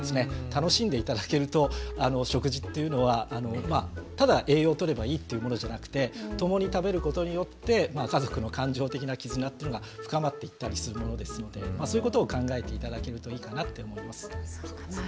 楽しんで頂けると食事っていうのはただ栄養をとればいいっていうものじゃなくて共に食べることによって家族の感情的な絆っていうのが深まっていったりするものですのでそういうことを考えて頂けるといいかなって思います。